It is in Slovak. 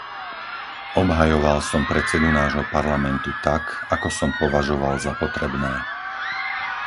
Obhajoval som predsedu nášho Parlamentu tak, ako som považoval za potrebné.